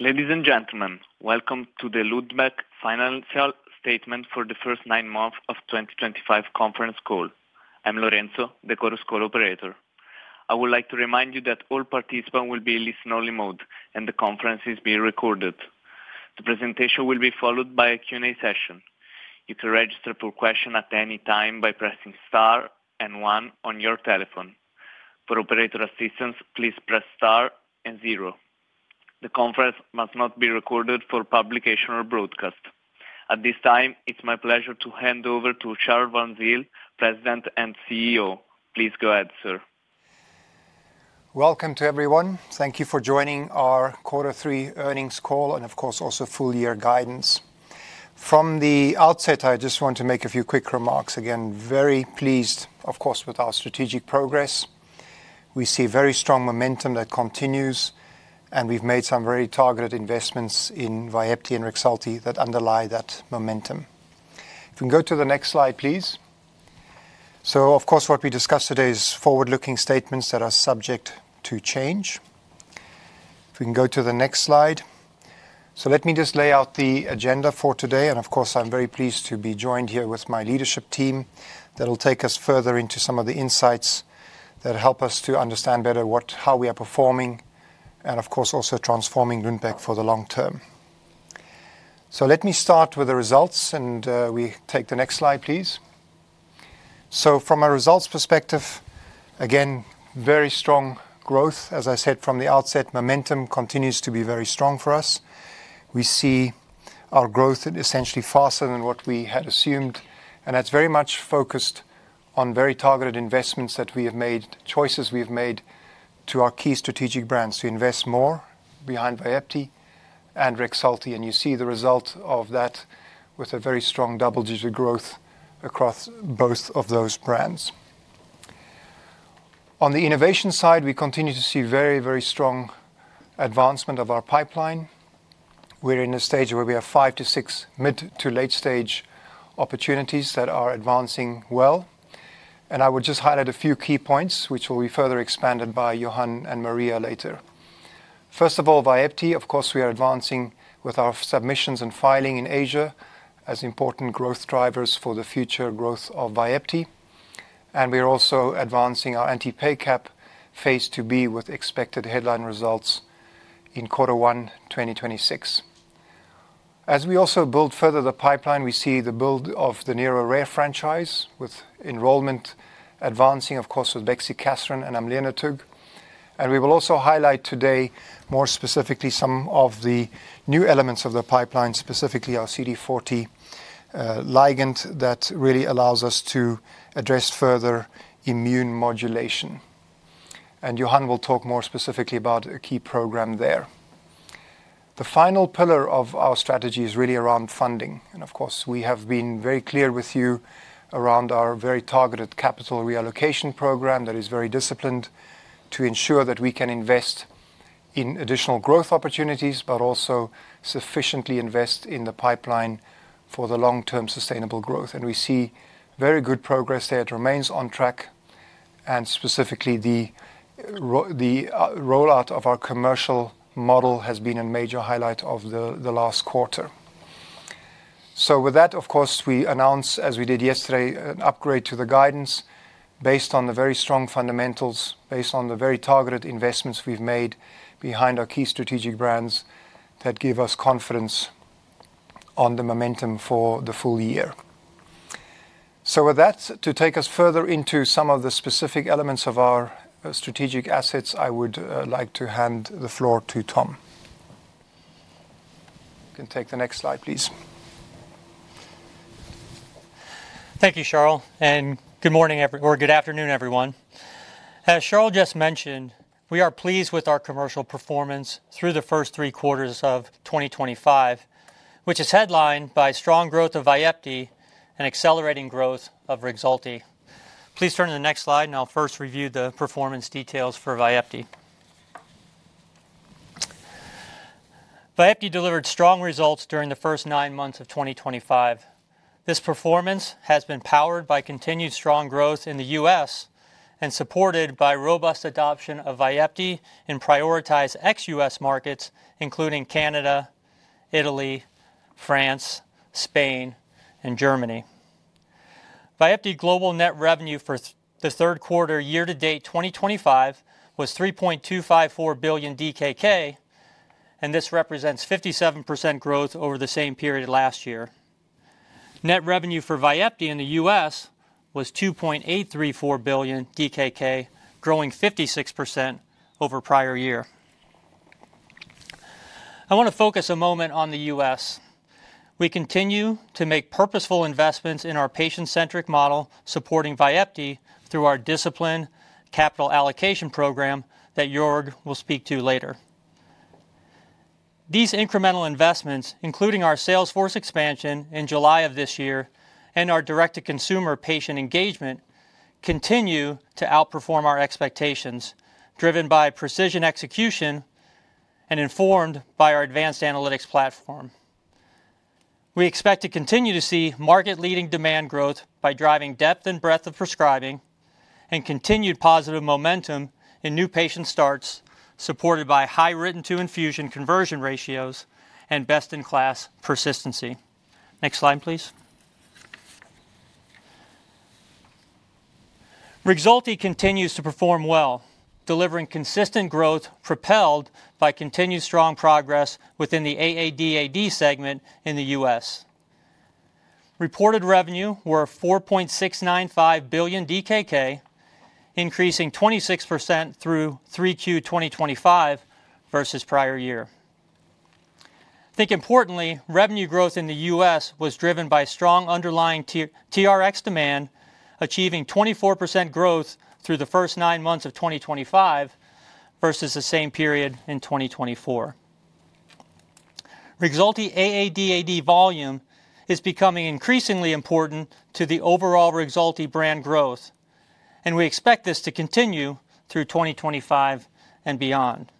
Ladies and gentlemen, welcome to the Lundbeck financial statement for the first nine months of the 2025 conference call. I'm Lorenzo, the Chorus call operator. I would like to remind you that all participants will be in listen-only mode, and the conference is being recorded. The presentation will be followed by a Q&A session. You can register for questions at any time by pressing star and one on your telephone. For operator assistance, please press star and zero. The conference must not be recorded for publication or broadcast. At this time, it's my pleasure to hand over to Charl van Zyl, President and CEO. Please go ahead, sir. Welcome to everyone. Thank you for joining our quarter three earnings call and, of course, also full-year guidance. From the outset, I just want to make a few quick remarks. Again, very pleased, of course, with our strategic progress. We see very strong momentum that continues, and we've made some very targeted investments in Vyepti and Rexulti that underlie that momentum. If we can go to the next slide, please. Of course, what we discuss today is forward-looking statements that are subject to change. If we can go to the next slide. Let me just lay out the agenda for today. Of course, I'm very pleased to be joined here with my leadership team that will take us further into some of the insights that help us to understand better how we are performing and, of course, also transforming Lundbeck for the long term. Let me start with the results, and we take the next slide, please. From a results perspective, again, very strong growth. As I said from the outset, momentum continues to be very strong for us. We see our growth essentially faster than what we had assumed, and that's very much focused on very targeted investments that we have made, choices we've made to our key strategic brands to invest more behind Vyepti and Rexulti. You see the result of that with a very strong double-digit growth across both of those brands. On the innovation side, we continue to see very, very strong advancement of our pipeline. We're in a stage where we have five to six mid to late-stage opportunities that are advancing well. I would just highlight a few key points, which will be further expanded by Johan and Maria later. First of all, Vyepti, of course, we are advancing with our submissions and filing in Asia as important growth drivers for the future growth of Vyepti. We are also advancing our anti-PACAP phase II-B with expected headline results in quarter one 2026. As we also build further the pipeline, we see the build of the neuro-rare franchise with enrollment advancing, of course, with bexicaserin and amlenetug. We will also highlight today, more specifically, some of the new elements of the pipeline, specifically our CD40 ligand that really allows us to address further immune modulation. Johan will talk more specifically about a key program there. The final pillar of our strategy is really around funding. We have been very clear with you around our very targeted capital reallocation program that is very disciplined to ensure that we can invest in additional growth opportunities, but also sufficiently invest in the pipeline for the long-term sustainable growth. We see very good progress there. It remains on track. Specifically, the rollout of our commercial model has been a major highlight of the last quarter. With that, of course, we announce, as we did yesterday, an upgrade to the guidance based on the very strong fundamentals, based on the very targeted investments we have made behind our key strategic brands that give us confidence on the momentum for the full year. With that, to take us further into some of the specific elements of our strategic assets, I would like to hand the floor to Tom. You can take the next slide, please. Thank you, Charl. Good morning or good afternoon, everyone. As Charl just mentioned, we are pleased with our commercial performance through the first three quarters of 2025, which is headlined by strong growth of Vyepti and accelerating growth of Rexulti. Please turn to the next slide, and I'll first review the performance details for Vyepti. Vyepti delivered strong results during the first nine months of 2025. This performance has been powered by continued strong growth in the U.S. and supported by robust adoption of Vyepti in prioritized ex-U.S. markets, including Canada, Italy, France, Spain, and Germany. Vyepti's global net revenue for the third quarter year-to-date 2025 was 3.254 billion DKK, and this represents 57% growth over the same period last year. Net revenue for Vyepti in the U.S. was 2.834 billion DKK, growing 56% over prior year. I want to focus a moment on the U.S. We continue to make purposeful investments in our patient-centric model supporting Vyepti through our disciplined capital allocation program that Joerg will speak to later. These incremental investments, including our sales force expansion in July of this year and our direct-to-consumer patient engagement, continue to outperform our expectations, driven by precision execution and informed by our advanced analytics platform. We expect to continue to see market-leading demand growth by driving depth and breadth of prescribing and continued positive momentum in new patient starts, supported by high written-to-infusion conversion ratios and best-in-class persistency. Next slide, please. Rexulti continues to perform well, delivering consistent growth propelled by continued strong progress within the AADAD segment in the U.S. Reported revenue was 4.695 billion DKK, increasing 26% through Q3 2025 versus prior year. I think importantly, revenue growth in the U.S. was driven by strong underlying TRx demand, achieving 24% growth through the first nine months of 2025 versus the same period in 2024. Rexulti AADAD volume is becoming increasingly important to the overall Rexulti brand growth, and we expect this to continue through 2025 and beyond.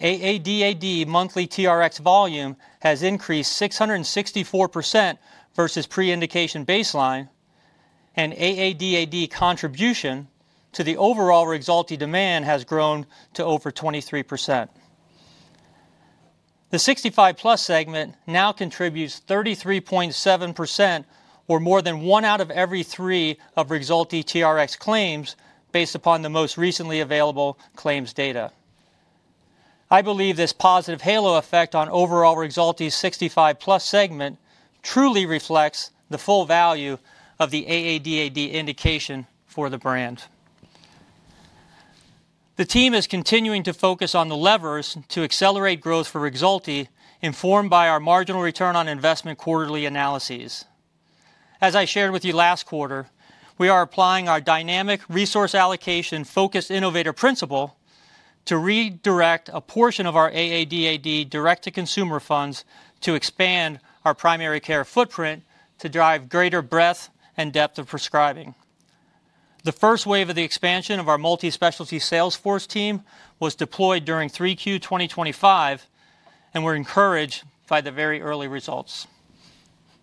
AADAD monthly TRx volume has increased 664% versus pre-indication baseline, and AADAD contribution to the overall Rexulti demand has grown to over 23%. The 65+ segment now contributes 33.7%, or more than one out of every three of Rexulti TRx claims, based upon the most recently available claims data. I believe this positive halo effect on overall Rexulti's 65+ segment truly reflects the full value of the AADAD indication for the brand. The team is continuing to focus on the levers to accelerate growth for Rexulti, informed by our marginal return on investment quarterly analyses. As I shared with you last quarter, we are applying our dynamic resource allocation-focused innovator principle to redirect a portion of our AADAD direct-to-consumer funds to expand our primary care footprint to drive greater breadth and depth of prescribing. The first wave of the expansion of our multi-specialty sales force team was deployed during Q3 2025, and we're encouraged by the very early results.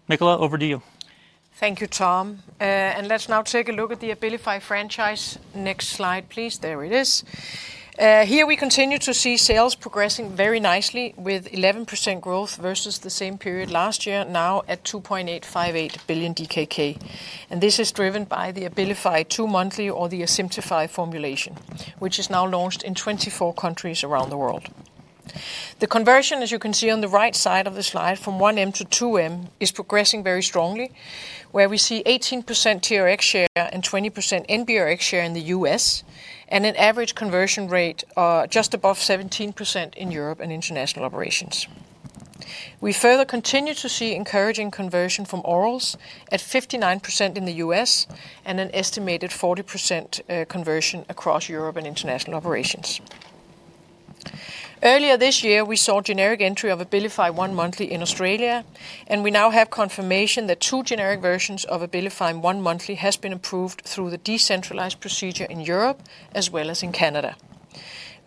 Michala, over to you. Thank you, Tom. Let's now take a look at the Abilify franchise. Next slide, please. There it is. Here we continue to see sales progressing very nicely with 11% growth versus the same period last year, now at 2.858 billion DKK. This is driven by the Abilify two-monthly or the Asimtufii formulation, which is now launched in 24 countries around the world. The conversion, as you can see on the right side of the slide, from 1M-2M is progressing very strongly, where we see 18% TRx share and 20% NBRx share in the U.S., and an average conversion rate just above 17% in Europe and International Operations. We further continue to see encouraging conversion from orals at 59% in the US and an estimated 40% conversion across Europe and International Operations. Earlier this year, we saw generic entry of Abilify one-monthly in Australia, and we now have confirmation that two generic versions of Abilify one-monthly have been approved through the decentralized procedure in Europe as well as in Canada.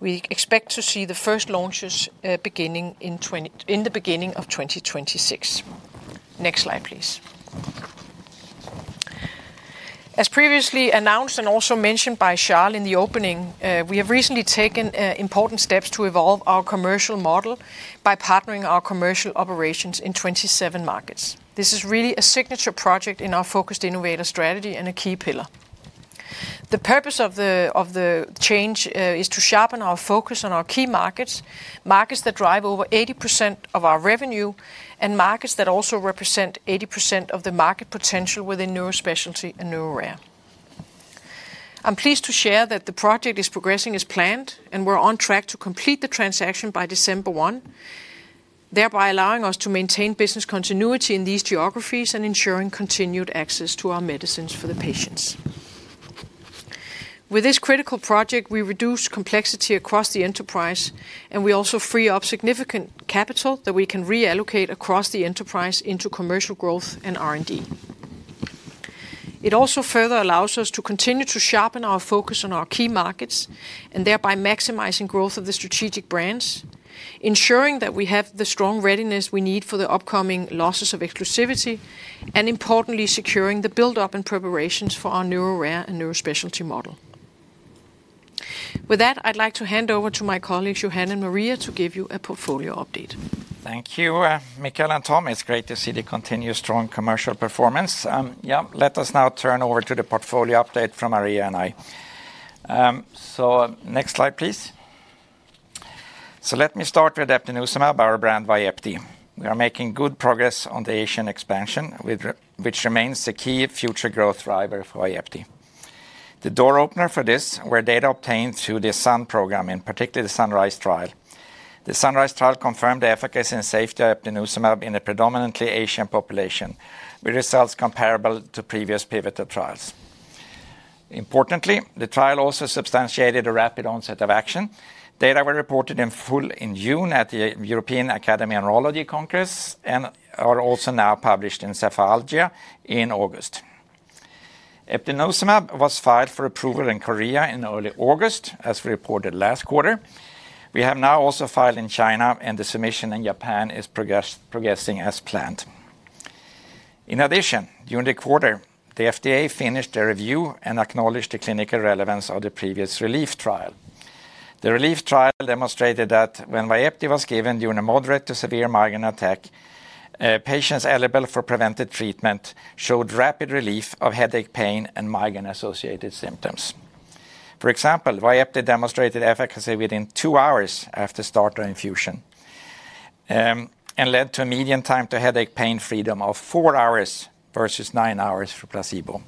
We expect to see the first launches in the beginning of 2026. Next slide, please. As previously announced and also mentioned by Charles in the opening, we have recently taken important steps to evolve our commercial model by partnering our commercial operations in 27 markets. This is really a signature project in our focused innovator strategy and a key pillar. The purpose of the change is to sharpen our focus on our key markets, markets that drive over 80% of our revenue, and markets that also represent 80% of the market potential within neuro-specialty and neuro-rare. I'm pleased to share that the project is progressing as planned, and we're on track to complete the transaction by December 1, thereby allowing us to maintain business continuity in these geographies and ensuring continued access to our medicines for the patients. With this critical project, we reduce complexity across the enterprise, and we also free up significant capital that we can reallocate across the enterprise into commercial growth and R&D. It also further allows us to continue to sharpen our focus on our key markets and thereby maximizing growth of the strategic brands, ensuring that we have the strong readiness we need for the upcoming losses of exclusivity, and importantly, securing the build-up and preparations for our neuro-rare and neuro-specialty model. With that, I'd like to hand over to my colleagues, Johan and Maria, to give you a portfolio update. Thank you, Michael and Tom. It's great to see the continued strong commercial performance. Yeah, let us now turn over to the portfolio update from Maria and I. Next slide, please. Let me start with Eptinezumab, our brand Vyepti. We are making good progress on the Asian expansion, which remains the key future growth driver for Vyepti. The door opener for this were data obtained through the SUN program, in particular the SUNRISE trial. The SUNRISE trial confirmed the efficacy and safety of Eptinezumab in a predominantly Asian population, with results comparable to previous pivotal trials. Importantly, the trial also substantiated a rapid onset of action. Data were reported in full in June at the European Academy Neurology Congress and are also now published in Cephalalgia in August. Eptinezumab was filed for approval in Korea in early August, as we reported last quarter. We have now also filed in China, and the submission in Japan is progressing as planned. In addition, during the quarter, the FDA finished their review and acknowledged the clinical relevance of the previous RELIEF trial. The RELIEF trial demonstrated that when Vyepti was given during a moderate to severe migraine attack, patients eligible for preventive treatment showed rapid relief of headache, pain, and migraine-associated symptoms. For example, Vyepti demonstrated efficacy within two hours after start of infusion and led to a median time to headache pain freedom of four hours versus nine hours for placebo.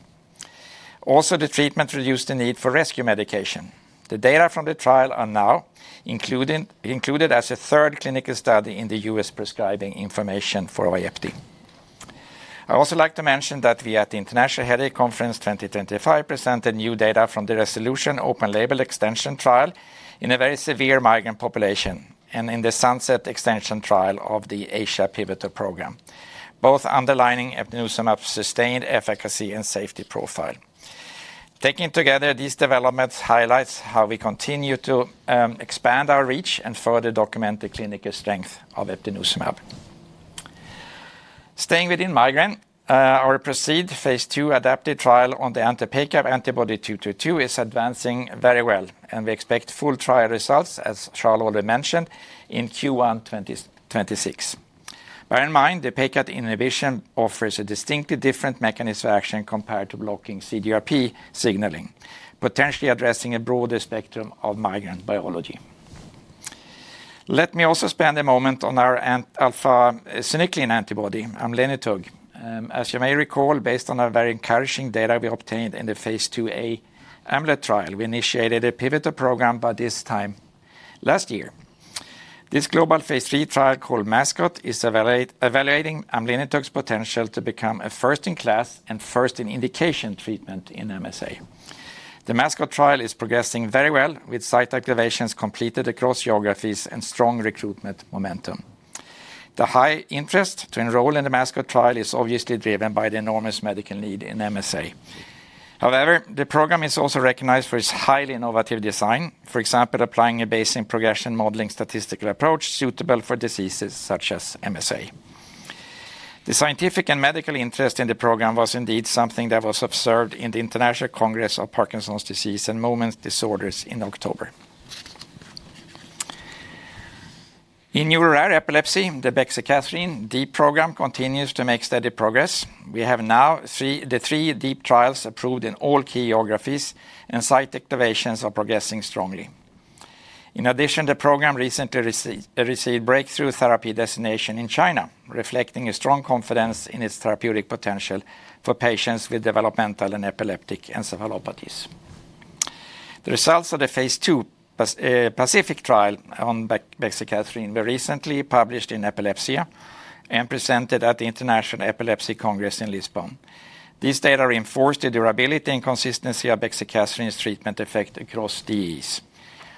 Also, the treatment reduced the need for rescue medication. The data from the trial are now included as a third clinical study in the U.S. prescribing information for Vyepti. I'd also like to mention that we at the International Headache Conference 2025 presented new data from the Resolution Open Label Extension trial in a very severe migraine population and in the SUNSET extension trial of the Asia pivotal program, both underlining Eptinezumab's sustained efficacy and safety profile. Taking together these developments highlights how we continue to expand our reach and further document the clinical strength of Eptinezumab. Staying within migraine, our PRECEDE phase II adaptive trial on the anti-PACAP antibody 222 is advancing very well, and we expect full trial results, as Charl already mentioned, in Q1 2026. Bear in mind, the PACAP inhibition offers a distinctly different mechanism of action compared to blocking CGRP signaling, potentially addressing a broader spectrum of migraine biology. Let me also spend a moment on our alpha-synuclein antibody, amlenetug. As you may recall, based on our very encouraging data we obtained in the phase II-A amlenetug trial, we initiated a pivotal program by this time last year. This global phase III trial called MASCOT is evaluating amlenetug's potential to become a first-in-class and first-in-indication treatment in MSA. The MASCOT trial is progressing very well, with site activations completed across geographies and strong recruitment momentum. The high interest to enroll in the MASCOT trial is obviously driven by the enormous medical need in MSA. However, the program is also recognized for its highly innovative design, for example, applying a basic progression modeling statistical approach suitable for diseases such as MSA. The scientific and medical interest in the program was indeed something that was observed in the International Congress of Parkinson's Disease and Movement Disorders in October. In neuro-rare epilepsy, the bexicaserin DEEp program continues to make steady progress. We have now the three DEEp trials approved in all key geographies, and site activations are progressing strongly. In addition, the program recently received breakthrough therapy designation in China, reflecting a strong confidence in its therapeutic potential for patients with developmental and epileptic encephalopathies. The results of the phase II PACIFIC trial on bexicaserin were recently published in Epilepsia and presented at the International Epilepsy Congress in Lisbon. These data reinforce the durability and consistency of bexicaserin's treatment effect across disease.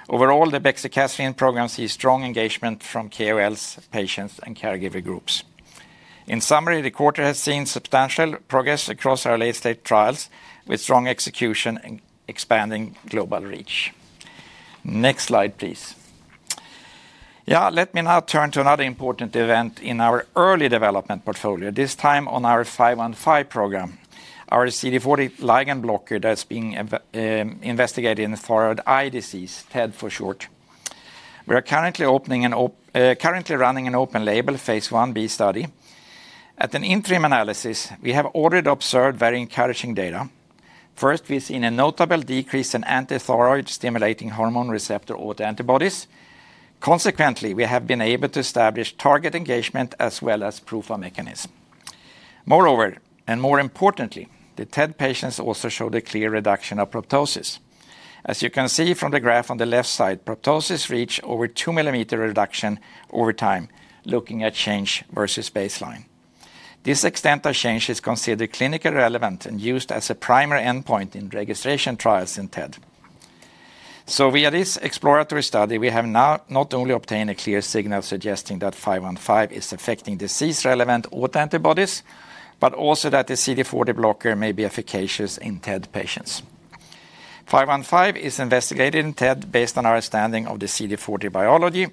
Overall, the bexicaserin program sees strong engagement from KOLs, patients, and caregiver groups. In summary, the quarter has seen substantial progress across our late-stage trials with strong execution and expanding global reach. Next slide, please. Yeah, let me now turn to another important event in our early development portfolio, this time on our 515 program, our CD40 ligand blocker that's being investigated in thyroid eye disease, TED for short. We are currently running an open label phase I-B study. At an interim analysis, we have already observed very encouraging data. First, we've seen a notable decrease in anti-thyroid stimulating hormone receptor autoantibodies. Consequently, we have been able to establish target engagement as well as proof of mechanism. Moreover, and more importantly, the TED patients also showed a clear reduction of proptosis. As you can see from the graph on the left side, proptosis reached over 2 mm reduction over time, looking at change versus baseline. This extent of change is considered clinically relevant and used as a primary endpoint in registration trials in TED. Via this exploratory study, we have now not only obtained a clear signal suggesting that 515 is affecting disease-relevant autoantibodies, but also that the CD40 blocker may be efficacious in TED patients. 515 is investigated in TED based on our understanding of the CD40 biology.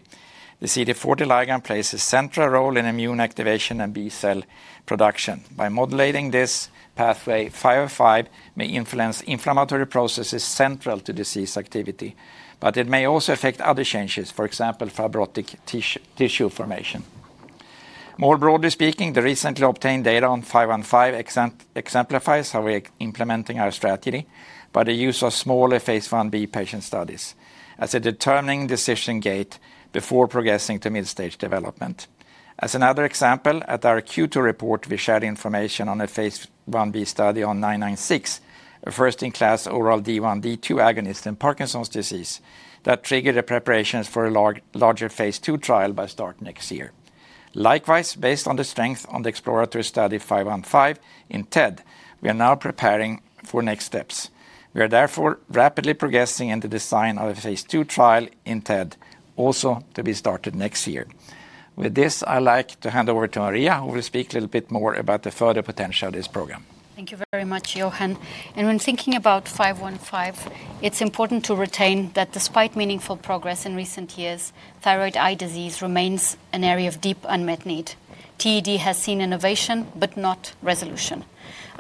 The CD40 ligand plays a central role in immune activation and B cell production. By modulating this pathway, 515 may influence inflammatory processes central to disease activity, but it may also affect other changes, for example, fibrotic tissue formation. More broadly speaking, the recently obtained data on 515 exemplifies how we are implementing our strategy by the use of smaller phase I-B patient studies as a determining decision gate before progressing to mid-stage development. As another example, at our Q2 report, we shared information on a phase I-B study on 996, a first-in-class oral D1, D2 agonist in Parkinson's disease that triggered the preparations for a larger phase II trial by start next year. Likewise, based on the strength on the exploratory study 515 in TED, we are now preparing for next steps. We are therefore rapidly progressing in the design of a phase II trial in TED, also to be started next year. With this, I'd like to hand over to Maria, who will speak a little bit more about the further potential of this program. Thank you very much, Johan. When thinking about 515, it's important to retain that despite meaningful progress in recent years, thyroid eye disease remains an area of deep unmet need. TED has seen innovation, but not resolution.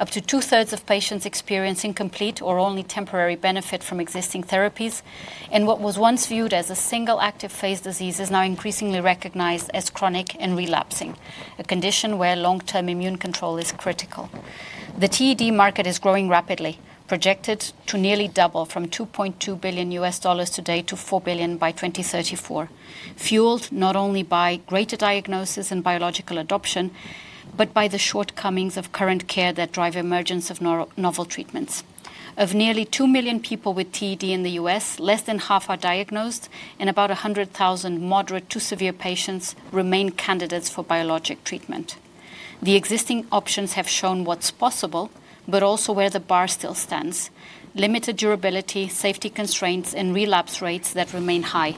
Up to two-thirds of patients experience incomplete or only temporary benefit from existing therapies, and what was once viewed as a single active phase disease is now increasingly recognized as chronic and relapsing, a condition where long-term immune control is critical. The TED market is growing rapidly, projected to nearly double from $2.2 billion US dollars today to $4 billion by 2034, fueled not only by greater diagnosis and biologic adoption, but by the shortcomings of current care that drive the emergence of novel treatments. Of nearly two million people with TED in the US, less than half are diagnosed, and about 100,000 moderate to severe patients remain candidates for biologic treatment. The existing options have shown what's possible, but also where the bar still stands: limited durability, safety constraints, and relapse rates that remain high.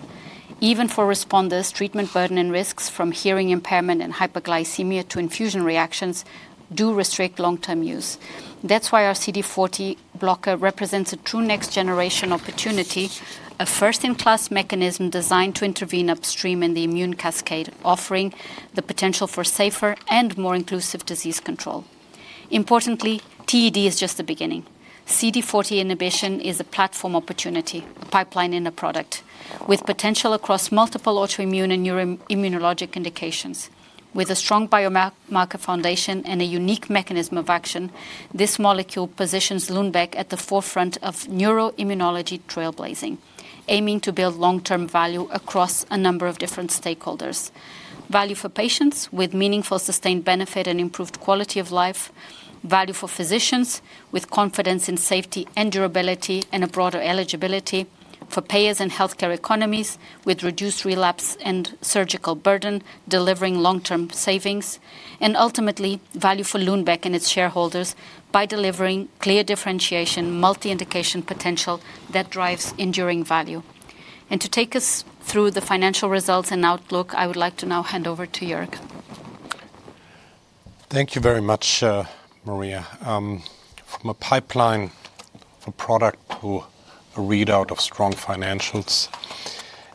Even for responders, treatment burden and risks, from hearing impairment and hyperglycemia to infusion reactions, do restrict long-term use. That's why our CD40 blocker represents a true next-generation opportunity, a first-in-class mechanism designed to intervene upstream in the immune cascade, offering the potential for safer and more inclusive disease control. Importantly, TED is just the beginning. CD40 inhibition is a platform opportunity, a pipeline in a product with potential across multiple autoimmune and neuroimmunologic indications. With a strong biomarker foundation and a unique mechanism of action, this molecule positions Lundbeck at the forefront of neuroimmunology trailblazing, aiming to build long-term value across a number of different stakeholders: value for patients with meaningful sustained benefit and improved quality of life, value for physicians with confidence in safety and durability, and a broader eligibility for payers and healthcare economies with reduced relapse and surgical burden, delivering long-term savings, and ultimately, value for Lundbeck and its shareholders by delivering clear differentiation, multi-indication potential that drives enduring value. To take us through the financial results and outlook, I would like to now hand over to Joerg. Thank you very much, Maria. From a pipeline for product to a readout of strong financials,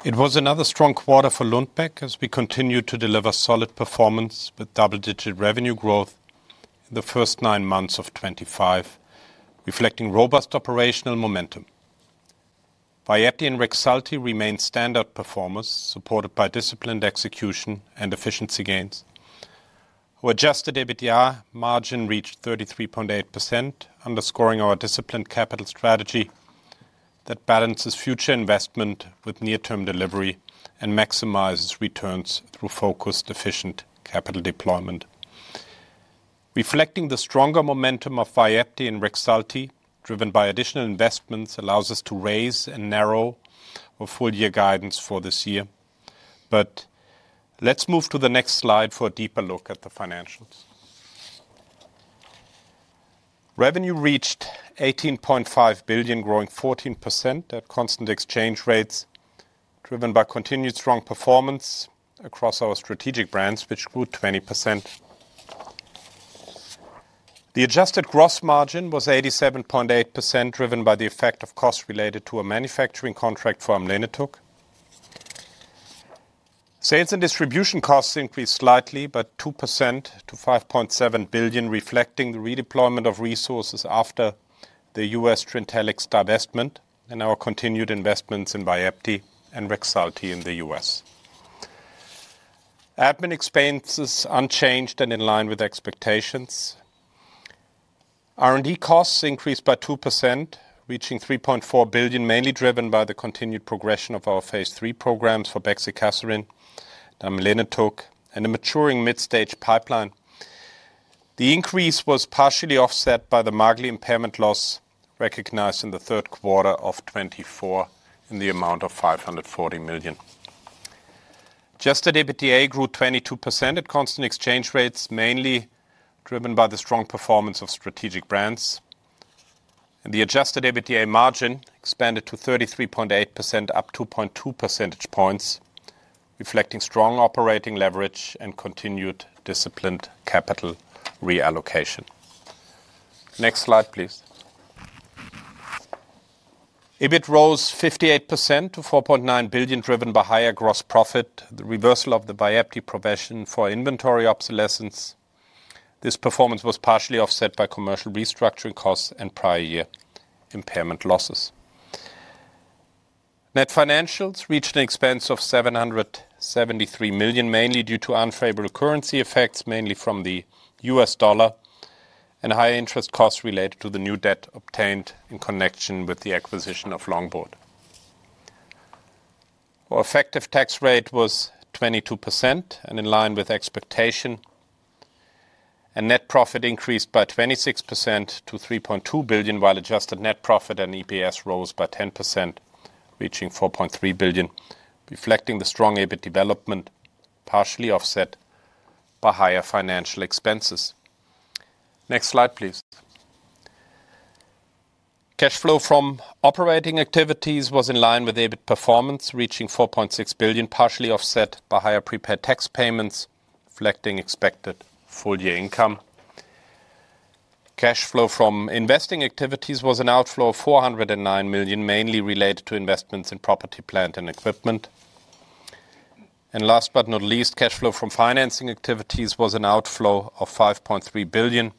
it was another strong quarter for Lundbeck as we continued to deliver solid performance with double-digit revenue growth in the first nine months of 2025, reflecting robust operational momentum. Vyepti and Rexulti remain standard performers, supported by disciplined execution and efficiency gains. Our adjusted EBITDA margin reached 33.8%, underscoring our disciplined capital strategy that balances future investment with near-term delivery and maximizes returns through focused, efficient capital deployment. Reflecting the stronger momentum of Vyepti and Rexulti, driven by additional investments, allows us to raise and narrow our full-year guidance for this year. Let's move to the next slide for a deeper look at the financials. Revenue reached 18.5 billion, growing 14% at constant exchange rates, driven by continued strong performance across our strategic brands, which grew 20%. The adjusted gross margin was 87.8%, driven by the effect of costs related to a manufacturing contract for amlenetug. Sales and distribution costs increased slightly, by 2% to 5.7 billion, reflecting the redeployment of resources after the U.S. Trintellix divestment and our continued investments in Vyepti and Rexulti in the U.S. Admin expenses unchanged and in line with expectations. R&D costs increased by 2%, reaching 3.4 billion, mainly driven by the continued progression of our phase III programs for bexicaserin, amlenetug, and a maturing mid-stage pipeline. The increase was partially offset by the MAGLi impairment loss recognized in the third quarter of 2024 in the amount of 540 million. Adjusted EBITDA grew 22% at constant exchange rates, mainly driven by the strong performance of strategic brands. The adjusted EBITDA margin expanded to 33.8%, up 2.2 percentage points, reflecting strong operating leverage and continued disciplined capital reallocation. Next slide, please. EBIT rose 58% to 4.9 billion, driven by higher gross profit, the reversal of the Vyepti provision for inventory obsolescence. This performance was partially offset by commercial restructuring costs and prior year impairment losses. Net financials reached an expense of 773 million, mainly due to unfavorable currency effects, mainly from the U.S. dollar, and high interest costs related to the new debt obtained in connection with the acquisition of Longboard. Our effective tax rate was 22%, and in line with expectation, net profit increased by 26% to 3.2 billion, while adjusted net profit and EPS rose by 10%, reaching 4.3 billion, reflecting the strong EBIT development partially offset by higher financial expenses. Next slide, please. Cash flow from operating activities was in line with EBIT performance, reaching 4.6 billion, partially offset by higher prepaid tax payments, reflecting expected full-year income. Cash flow from investing activities was an outflow of 409 million, mainly related to investments in property, plant, and equipment. Last but not least, cash flow from financing activities was an outflow of 5.3 billion,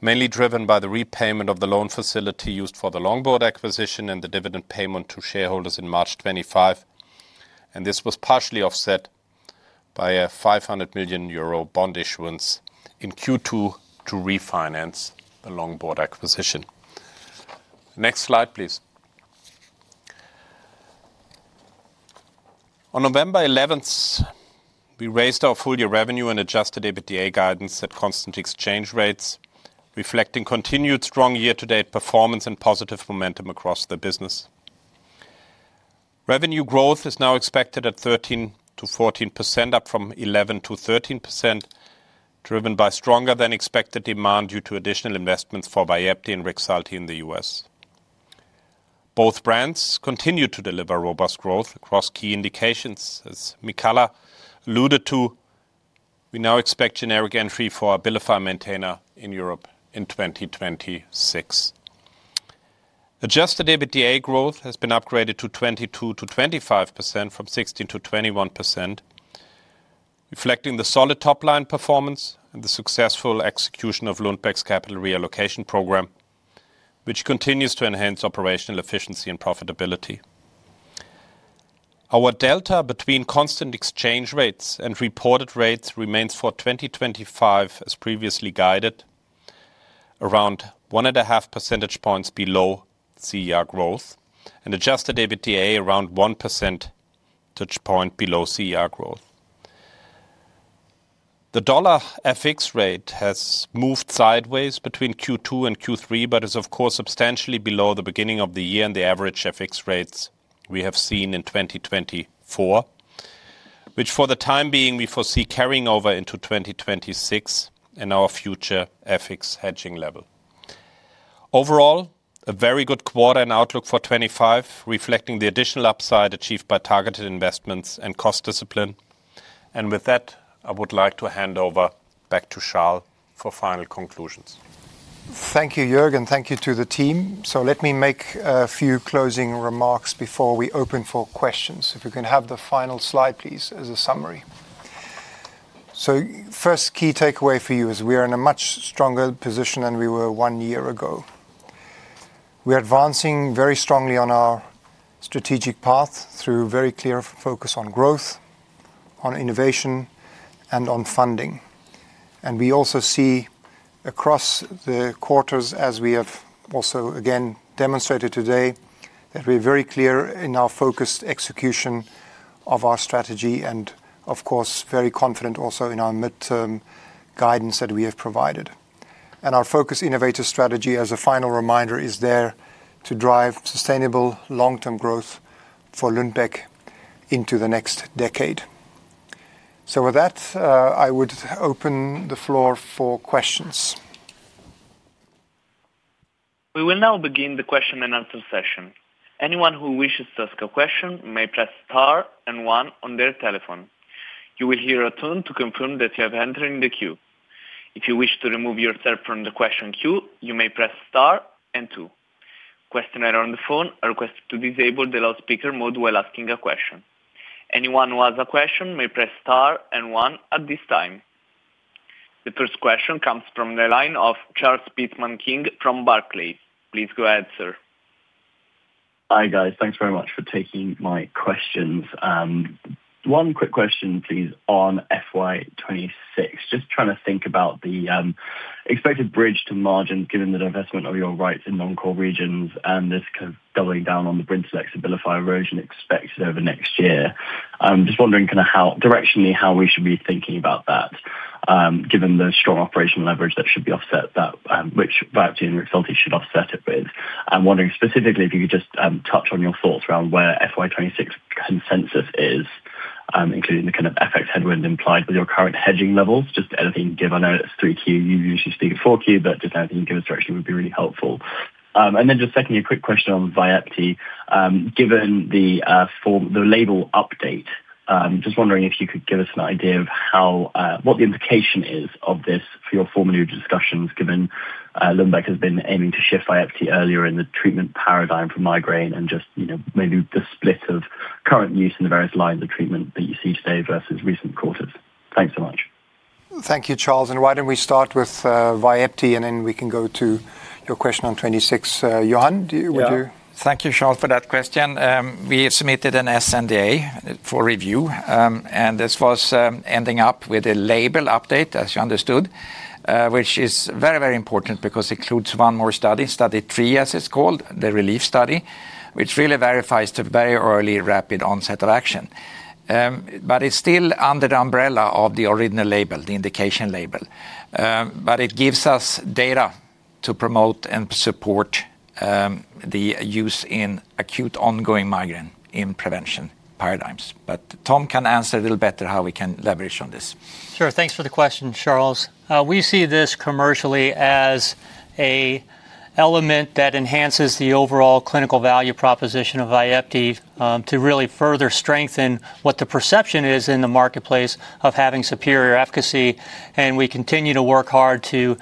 mainly driven by the repayment of the loan facility used for the Longboard acquisition and the dividend payment to shareholders in March 2025. This was partially offset by a 500 million euro bond issuance in Q2 to refinance the Longboard acquisition. Next slide, please. On November 11th, we raised our full-year revenue and adjusted EBITDA guidance at constant exchange rates, reflecting continued strong year-to-date performance and positive momentum across the business. Revenue growth is now expected at 13%-14%, up from 11%-13%, driven by stronger-than-expected demand due to additional investments for Vyepti and Rexulti in the U.S. Both brands continue to deliver robust growth across key indications. As Michala alluded to, we now expect generic entry for Abilify Maintena in Europe in 2026. Adjusted EBITDA growth has been upgraded to 22%-25% from 16%-21%, reflecting the solid top-line performance and the successful execution of Lundbeck's capital reallocation program, which continues to enhance operational efficiency and profitability. Our delta between constant exchange rates and reported rates remains for 2025, as previously guided, around 1.5 percentage points below CER growth and adjusted EBITDA around 1 percentage point below CER growth. The dollar FX rate has moved sideways between Q2 and Q3, but is, of course, substantially below the beginning of the year and the average FX rates we have seen in 2024, which for the time being, we foresee carrying over into 2026 and our future FX hedging level. Overall, a very good quarter and outlook for 2025, reflecting the additional upside achieved by targeted investments and cost discipline. With that, I would like to hand over back to Charles for final conclusions. Thank you, Joerg, and thank you to the team. Let me make a few closing remarks before we open for questions. If you can have the final slide, please, as a summary. The first key takeaway for you is we are in a much stronger position than we were one year ago. We are advancing very strongly on our strategic path through very clear focus on growth, on innovation, and on funding. We also see across the quarters, as we have also again demonstrated today, that we are very clear in our focused execution of our strategy and, of course, very confident also in our mid-term guidance that we have provided. Our focus innovator strategy, as a final reminder, is there to drive sustainable long-term growth for Lundbeck into the next decade. With that, I would open the floor for questions. We will now begin the question and answer session. Anyone who wishes to ask a question may press star and one on their telephone. You will hear a tone to confirm that you have entered in the queue. If you wish to remove yourself from the question queue, you may press star and two. Questioners on the phone are requested to disable the loudspeaker mode while asking a question. Anyone who has a question may press star and one at this time. The first question comes from the Charles Pitman-King from Barclays. please go ahead, sir. Hi guys. Thanks very much for taking my questions. One quick question, please, on FY 2026. Just trying to think about the expected bridge to margins given the divestment of your rights in non-core regions and this kind of doubling down on the Brintellix-Abilify version expected over next year. I'm just wondering kind of how directionally how we should be thinking about that, given the strong operational leverage that should be offset, which Vyepti and Rexulti should offset it with. I'm wondering specifically if you could just touch on your thoughts around where FY 2026 consensus is, including the kind of effect headwind implied with your current hedging levels. Just anything you can give. I know it's three Q. You usually speak at four Q, but just anything you can give us direction would be really helpful. And then just secondly, a quick question on Vyepti. Given the label update, just wondering if you could give us an idea of what the implication is of this for your formal new discussions, given Lundbeck has been aiming to shift Vyepti earlier in the treatment paradigm for migraine and just maybe the split of current use in the various lines of treatment that you see today versus recent quarters. Thanks so much. Thank you, Charles. Why don't we start with Vyepti and then we can go to your question on 2026? Johan, would you? Yeah. Thank you, Charles, for that question. We submitted an SNDA for review, and this was ending up with a label update, as you understood, which is very, very important because it includes one more study, study three, as it's called, the relief study, which really verifies the very early rapid onset of action. It is still under the umbrella of the original label, the indication label. It gives us data to promote and support the use in acute ongoing migraine in prevention paradigms. Tom can answer a little better how we can leverage on this. Sure. Thanks for the question, Charles. We see this commercially as an element that enhances the overall clinical value proposition of Vyepti to really further strengthen what the perception is in the marketplace of having superior efficacy. We continue to work hard to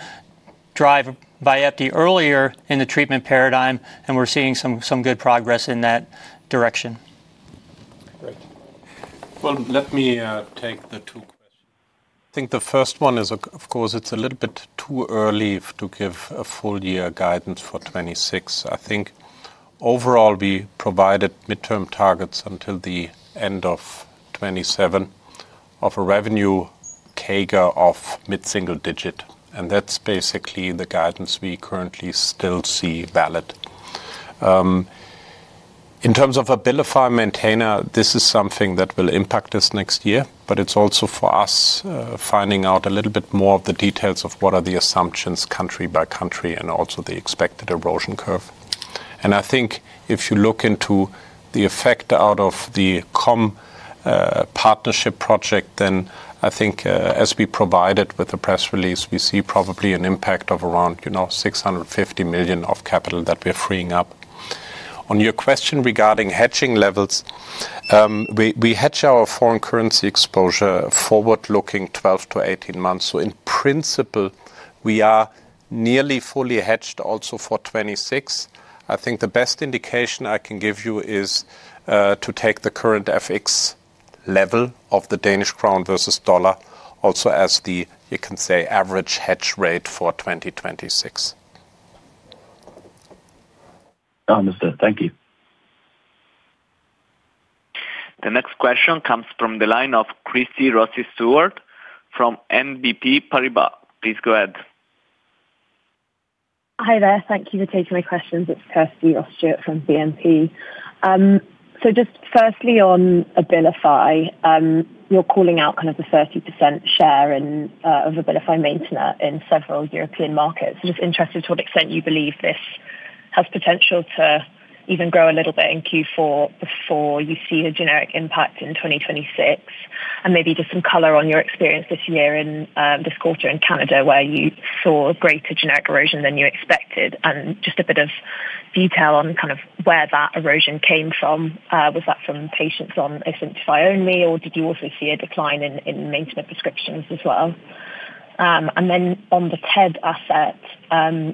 drive Vyepti earlier in the treatment paradigm, and we're seeing some good progress in that direction. Great. Let me take the two questions. I think the first one is, of course, it's a little bit too early to give a full-year guidance for 2026. I think overall we provided mid-term targets until the end of 2027 of a revenue CAGR of mid-single digit. That is basically the guidance we currently still see valid. In terms of Abilify Maintena, this is something that will impact us next year, but it is also for us finding out a little bit more of the details of what are the assumptions country by country and also the expected erosion curve. I think if you look into the effect out of the COM partnership project, as we provided with the press release, we see probably an impact of around 650 million of capital that we are freeing up. On your question regarding hedging levels, we hedge our foreign currency exposure forward-looking 12-18 months. In principle, we are nearly fully hedged also for 2026. I think the best indication I can give you is to take the current FX level of the Danish krone versus dollar, also as the, you can say, average hedge rate for 2026. Understood. Thank you. The next question comes from the line of Kirsty Ross-Stewart from BNP Paribas. Please go ahead. Hi there. Thank you for taking my questions. It's Kirsty [Ross] from BNP. Just firstly on Abilify, you're calling out kind of the 30% share of Abilify Maintena in several European markets. Just interested to what extent you believe this has potential to even grow a little bit in Q4 before you see a generic impact in 2026, and maybe just some color on your experience this year and this quarter in Canada where you saw greater generic erosion than you expected. Just a bit of detail on kind of where that erosion came from. Was that from patients on Asimtufii only, or did you also see a decline in Maintena prescriptions as well? On the TED asset,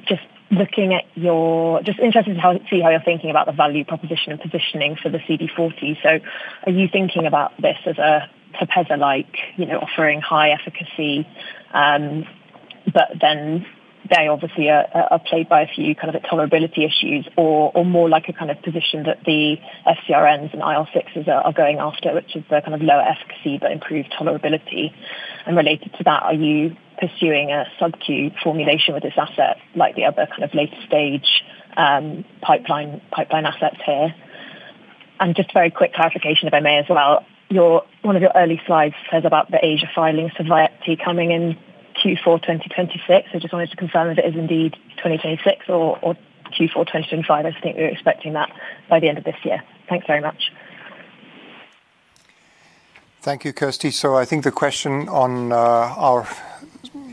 just looking at your, just interested to see how you're thinking about the value proposition and positioning for the CD40. Are you thinking about this as a Hepeza-like offering, high efficacy, but then they obviously are plagued by a few kind of tolerability issues, or more like a kind of position that the FCRNs and IL-6s are going after, which is the kind of lower efficacy but improved tolerability? Related to that, are you pursuing a sub-q formulation with this asset like the other kind of late-stage pipeline assets here? Just a very quick clarification, if I may as well, one of your early slides says about the Asia filings for Vyepti coming in Q4 2026. I just wanted to confirm if it is indeed 2026 or Q4 2025. I just think we're expecting that by the end of this year. Thanks very much. Thank you, Kirsty. I think the question on our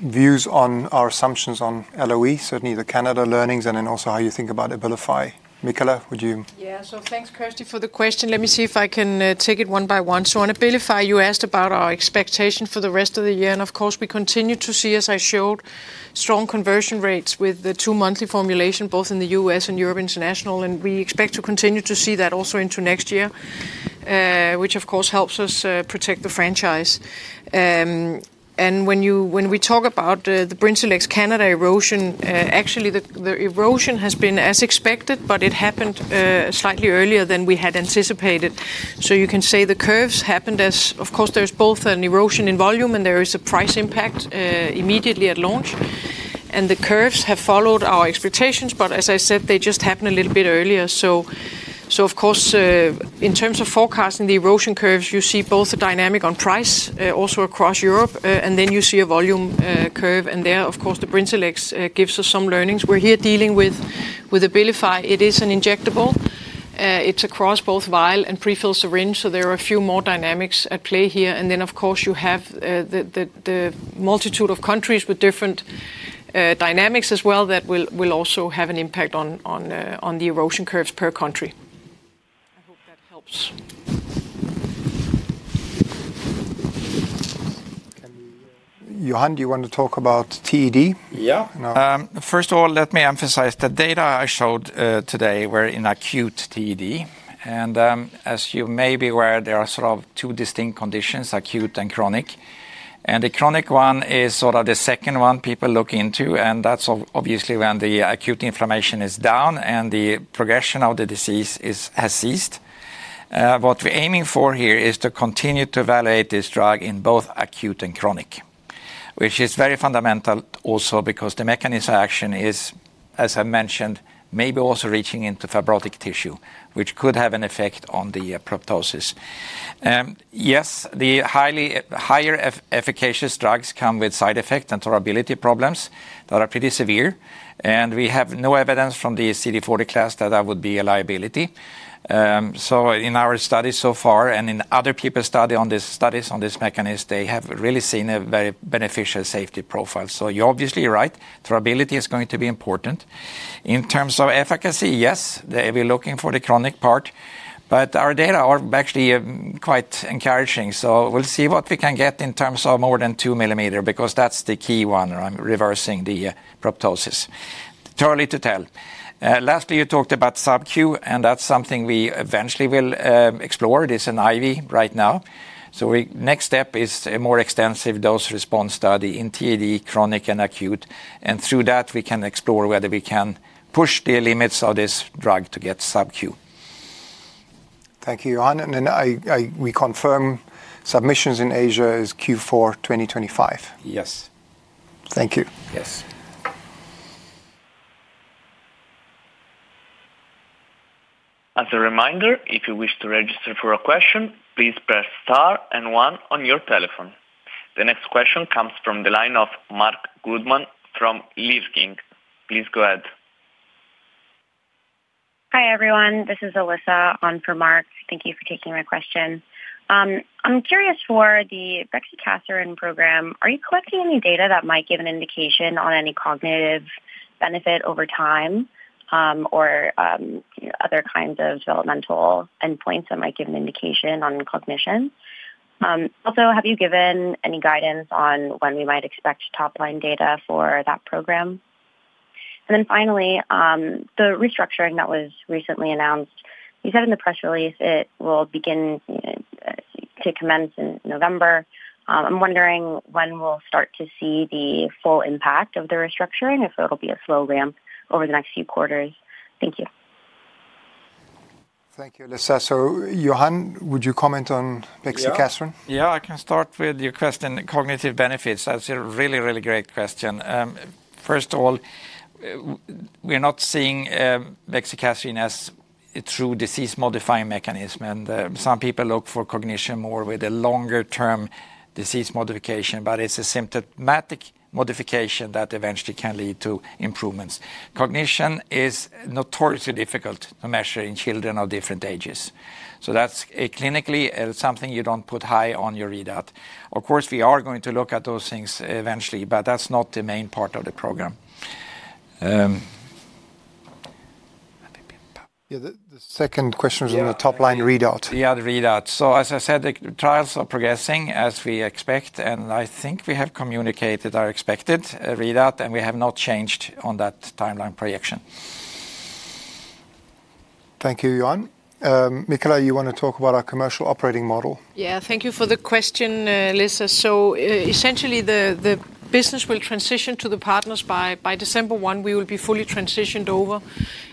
views on our assumptions on LoE, certainly the Canada learnings, and then also how you think about Abilify. Michala, would you? Yeah. Thanks, Kirsty, for the question. Let me see if I can take it one by one. On Abilify, you asked about our expectation for the rest of the year. Of course, we continue to see, as I showed, strong conversion rates with the two-monthly formulation, both in the U.S. and Europe International. We expect to continue to see that also into next year, which of course helps us protect the franchise. When we talk about the Brintellix Canada erosion, actually the erosion has been as expected, but it happened slightly earlier than we had anticipated. You can say the curves happened as, of course, there is both an erosion in volume and there is a price impact immediately at launch. The curves have followed our expectations, but as I said, they just happened a little bit earlier. Of course, in terms of forecasting the erosion curves, you see both a dynamic on price also across Europe, and then you see a volume curve. There, of course, the Brintellix gives us some learnings. We're here dealing with Abilify. It is an injectable. It's across both vial and prefill syringe. There are a few more dynamics at play here. Of course, you have the multitude of countries with different dynamics as well that will also have an impact on the erosion curves per country. I hope that helps. Johan, do you want to talk about TED? Yeah. First of all, let me emphasize the data I showed today were in acute TED. As you may be aware, there are sort of two distinct conditions, acute and chronic. The chronic one is sort of the second one people look into. That is obviously when the acute inflammation is down and the progression of the disease has ceased. What we're aiming for here is to continue to evaluate this drug in both acute and chronic, which is very fundamental also because the mechanism of action is, as I mentioned, maybe also reaching into fibrotic tissue, which could have an effect on the proptosis. Yes, the highly higher efficacious drugs come with side effects and tolerability problems that are pretty severe. We have no evidence from the CD40 class that that would be a liability. In our studies so far and in other people's studies on this mechanism, they have really seen a very beneficial safety profile. You are obviously right. Tolerability is going to be important. In terms of efficacy, yes, we are looking for the chronic part, but our data are actually quite encouraging. We will see what we can get in terms of more than 2 millimeters because that is the key one, reversing the proptosis. Too early to tell. Lastly, you talked about sub-queue, and that is something we eventually will explore. It is an IV right now. The next step is a more extensive dose response study in TED, chronic and acute. Through that, we can explore whether we can push the limits of this drug to get sub-queue. Thank you, Johan. We confirm submissions in Asia is Q4 2025. Yes. Thank you. Yes. As a reminder, if you wish to register for a question, please press star and one on your telephone. The next question comes from the line of Mark Goodman from Leerink. Please go ahead. Hi everyone. This is Alyssa on for Mark. Thank you for taking my question. I'm curious for the bexicaserin program. Are you collecting any data that might give an indication on any cognitive benefit over time or other kinds of developmental endpoints that might give an indication on cognition? Also, have you given any guidance on when we might expect top-line data for that program? Finally, the restructuring that was recently announced, you said in the press release it will begin to commence in November. I'm wondering when we'll start to see the full impact of the restructuring, if it'll be a slow ramp over the next few quarters. Thank you. Thank you, Alyssa. So Johan, would you comment on bexicaserin? Yeah, I can start with your question, cognitive benefits. That's a really, really great question. First of all, we're not seeing bexicaserin as a true disease-modifying mechanism. And some people look for cognition more with a longer-term disease modification, but it's a symptomatic modification that eventually can lead to improvements. Cognition is notoriously difficult to measure in children of different ages. So that's clinically something you don't put high on your readout. Of course, we are going to look at those things eventually, but that's not the main part of the program. Yeah, the second question was on the top-line readout. Yeah, the readout. As I said, the trials are progressing as we expect, and I think we have communicated our expected readout, and we have not changed on that timeline projection. Thank you, Johan. Michala, you want to talk about our commercial operating model? Yeah, thank you for the question, Alyssa. Essentially, the business will transition to the partners by December 1. We will be fully transitioned over.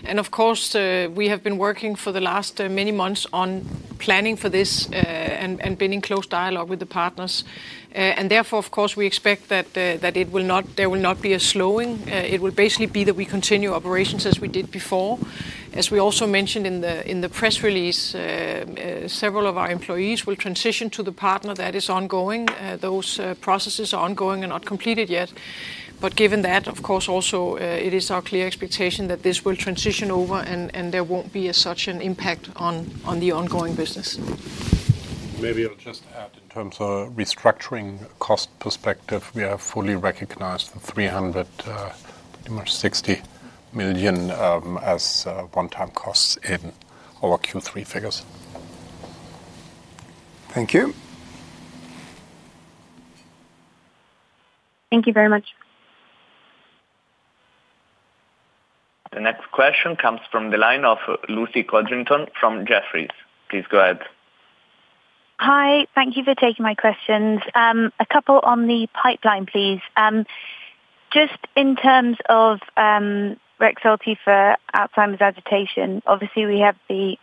Of course, we have been working for the last many months on planning for this and been in close dialogue with the partners. Therefore, of course, we expect that there will not be a slowing. It will basically be that we continue operations as we did before. As we also mentioned in the press release, several of our employees will transition to the partner. That is ongoing. Those processes are ongoing and not completed yet. Given that, of course, also it is our clear expectation that this will transition over and there will not be such an impact on the ongoing business. Maybe I'll just add in terms of restructuring cost perspective, we have fully recognized the 360 million as one-time costs in our Q3 figures. Thank you. Thank you very much. The next question comes from the line of Lucy Codrington from Jefferies. Please go ahead. Hi, thank you for taking my questions. A couple on the pipeline, please. Just in terms of Rexulti for Alzheimer's agitation, obviously we have the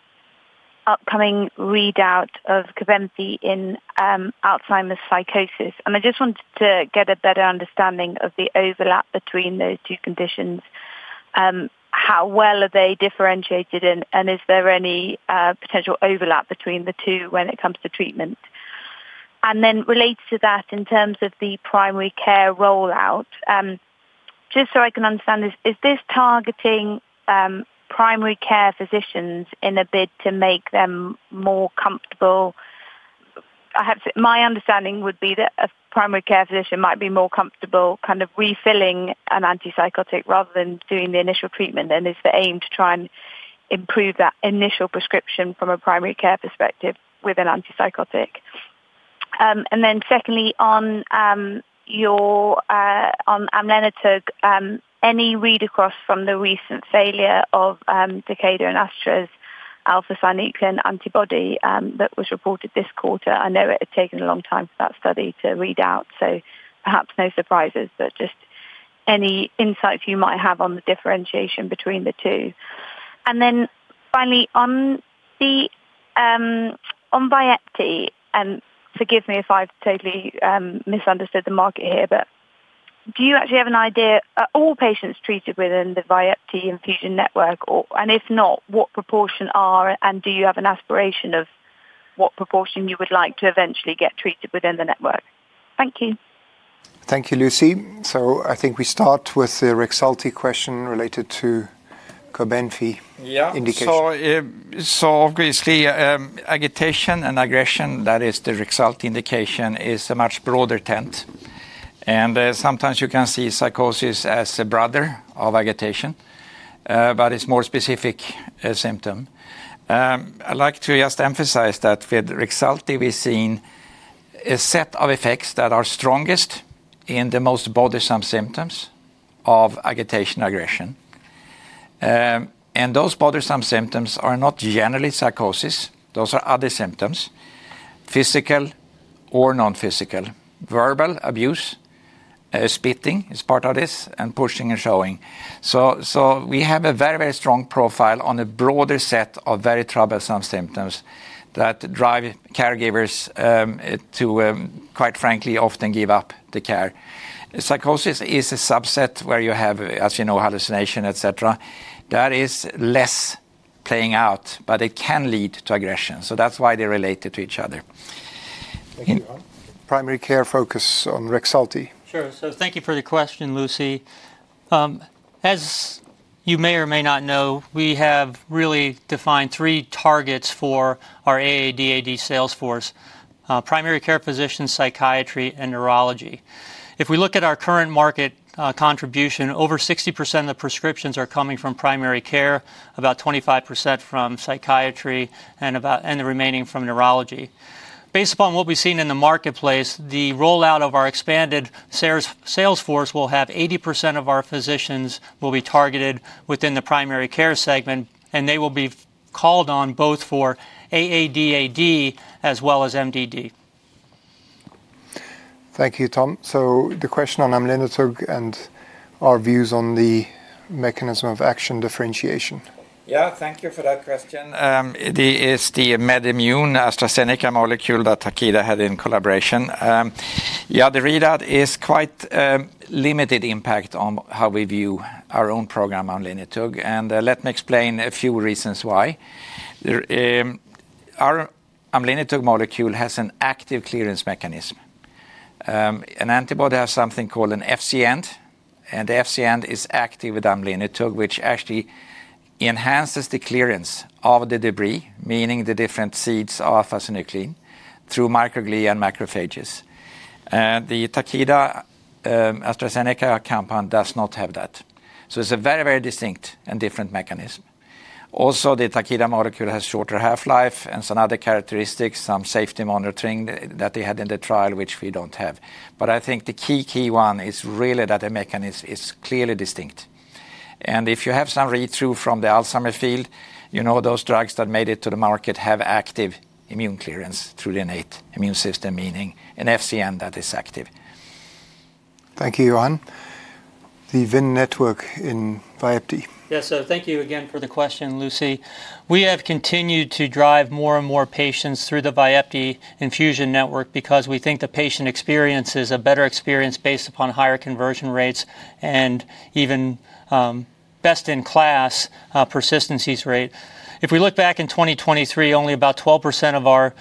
upcoming readout of Kabenzi in Alzheimer's psychosis. I just wanted to get a better understanding of the overlap between those two conditions, how well are they differentiated, and is there any potential overlap between the two when it comes to treatment? Then related to that, in terms of the primary care rollout, just so I can understand this, is this targeting primary care physicians in a bid to make them more comfortable? My understanding would be that a primary care physician might be more comfortable kind of refilling an antipsychotic rather than doing the initial treatment. Is the aim to try and improve that initial prescription from a primary care perspective with an antipsychotic? Then secondly, on your amlenetug, any read across from the recent failure of Decatur and Astra's alpha-synuclein antibody that was reported this quarter? I know it had taken a long time for that study to read out, so perhaps no surprises, but just any insights you might have on the differentiation between the two? Finally, on Vyepti, and forgive me if I've totally misunderstood the market here, but do you actually have an idea? Are all patients treated within the Vyepti infusion network? If not, what proportion are? Do you have an aspiration of what proportion you would like to eventually get treated within the network? Thank you. Thank you, Lucy. I think we start with the Rexulti question related to Kabenzi indication. Yeah. Obviously, agitation and aggression, that is the Rexulti indication, is a much broader tent. Sometimes you can see psychosis as a brother of agitation, but it's a more specific symptom. I'd like to just emphasize that with Rexulti, we've seen a set of effects that are strongest in the most bothersome symptoms of agitation and aggression. Those bothersome symptoms are not generally psychosis. Those are other symptoms, physical or non-physical. Verbal abuse, spitting is part of this, and pushing and shoving. We have a very, very strong profile on a broader set of very troublesome symptoms that drive caregivers to, quite frankly, often give up the care. Psychosis is a subset where you have, as you know, hallucination, etc. That is less playing out, but it can lead to aggression. That's why they're related to each other. Thank you, Johan. Primary care focus on Rexulti? Sure. Thank you for the question, Lucy. As you may or may not know, we have really defined three targets for our AADAD sales force: primary care physicians, psychiatry, and neurology. If we look at our current market contribution, over 60% of the prescriptions are coming from primary care, about 25% from psychiatry, and the remaining from neurology. Based upon what we've seen in the marketplace, the rollout of our expanded sales force will have 80% of our physicians be targeted within the primary care segment, and they will be called on both for AADAD as well as MDD. Thank you, Tom. The question on amlenetug and our views on the mechanism of action differentiation. Yeah, thank you for that question. It is the MedImmune AstraZeneca molecule that Takeda had in collaboration. Yeah, the readout is quite a limited impact on how we view our own program on amlenetug. Let me explain a few reasons why. Our amlenetug molecule has an active clearance mechanism. An antibody has something called an FCN, and the FCN is active with amlenetug, which actually enhances the clearance of the debris, meaning the different seeds of alpha-synuclein through microglia and macrophages. The Takeda AstraZeneca compound does not have that. It is a very, very distinct and different mechanism. Also, the Takeda molecule has shorter half-life and some other characteristics, some safety monitoring that they had in the trial, which we do not have. I think the key, key one is really that the mechanism is clearly distinct. If you have some read-through from the Alzheimer's field, you know those drugs that made it to the market have active immune clearance through the innate immune system, meaning an FCN that is active. Thank you, Johan. The Vyepti network in Vyepti? Yes, so thank you again for the question, Lucy. We have continued to drive more and more patients through the Vyepti infusion network because we think the patient experience is a better experience based upon higher conversion rates and even best-in-class persistency rates. If we look back in 2023, only about 12% of our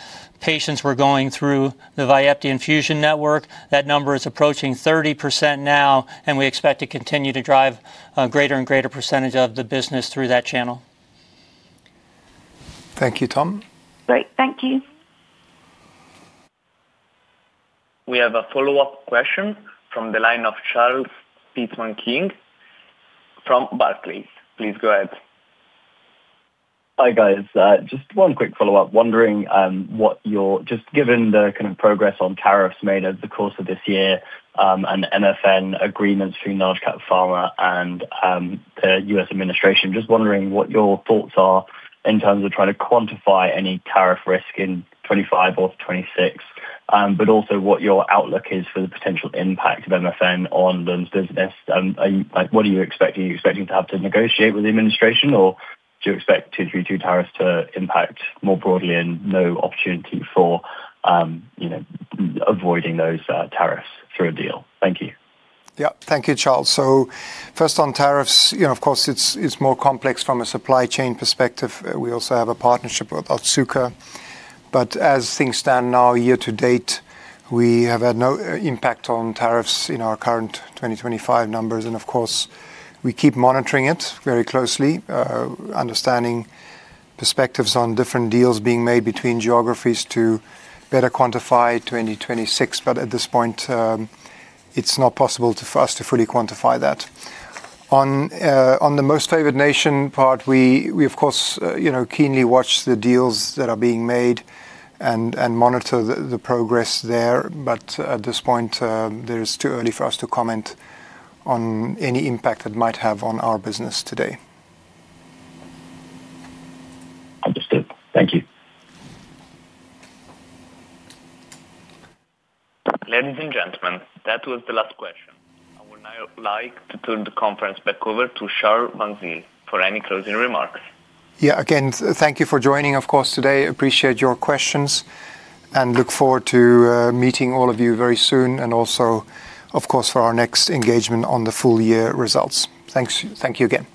patients were going through the Vyepti infusion network. That number is approaching 30% now, and we expect to continue to drive a greater and greater percentage of the business through that channel. Thank you, Tom. Great, thank you. We have a follow-up question from the line of Charles Pitman-King from Berkeley. Please go ahead. Hi guys. Just one quick follow-up. Wondering what you're, just given the kind of progress on tariffs made over the course of this year and MFN agreements between NAGCAT, Pharma, and the U.S. administration. Just wondering what your thoughts are in terms of trying to quantify any tariff risk in 2025 or 2026, but also what your outlook is for the potential impact of MFN on Lundbeck's business. What are you expecting? Are you expecting to have to negotiate with the administration, or do you expect 232 tariffs to impact more broadly and no opportunity for avoiding those tariffs through a deal? Thank you. Yeah, thank you, Charles. First on tariffs, of course, it's more complex from a supply chain perspective. We also have a partnership with Otsuka. As things stand now, year-to-date, we have had no impact on tariffs in our current 2025 numbers. We keep monitoring it very closely, understanding perspectives on different deals being made between geographies to better quantify 2026. At this point, it's not possible for us to fully quantify that. On the most favored nation part, we, of course, keenly watch the deals that are being made and monitor the progress there. At this point, it is too early for us to comment on any impact that might have on our business today. Understood. Thank you. Ladies and gentlemen, that was the last question. I would now like to turn the conference back over to Charl van Zyl for any closing remarks. Yeah, again, thank you for joining, of course, today. Appreciate your questions and look forward to meeting all of you very soon. Also, of course, for our next engagement on the full year results. Thank you again.